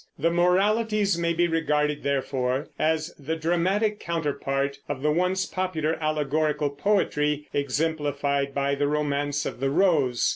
The Moralities may be regarded, therefore, as the dramatic counterpart of the once popular allegorical poetry exemplified by the Romance of the Rose.